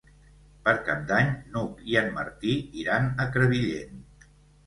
Per Cap d'Any n'Hug i en Martí iran a Crevillent.